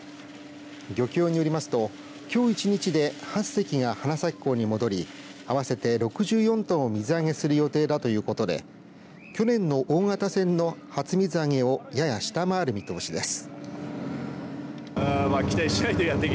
漁協によりますときょう１日で８隻が花咲港に戻り合わせて６４トンを水揚げする予定だということで去年の大型船の初水揚げをやや下回る見通しです。